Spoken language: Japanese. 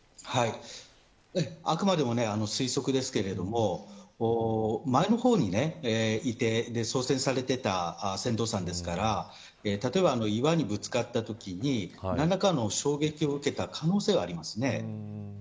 あくまでも推測ですけど前の方にいて操船されていた船頭さんですから岩にぶつかったときに何らかの衝撃を受けた可能性はあります。